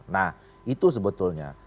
nah itu sebetulnya